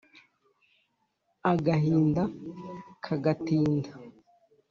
Agahinda kagatinda